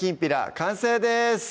完成です